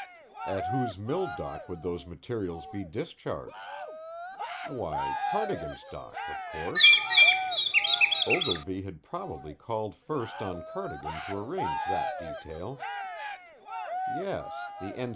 At whose mill dock would those materials be discharged? Why, Cardigan's dock, of course. Ogilvy had probably called first on Cardigan to arrange that detail. Yes, the N. C.